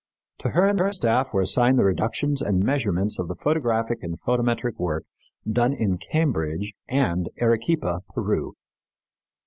To her and her staff were assigned the reductions and measurements of the photographic and photometric work done in Cambridge and Arequipa, Peru.